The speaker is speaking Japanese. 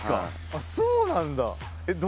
あっそうなんだ。